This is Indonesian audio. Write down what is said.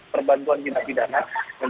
perbantuan hinapidana yang